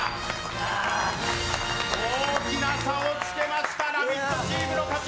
大きな差をつけました「ラヴィット！」チームの勝ち。